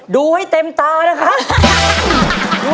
ดูให้เต็มตานะครับ